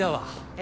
え？